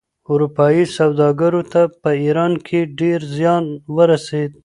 اروپايي سوداګرو ته په ایران کې ډېر زیان ورسېد.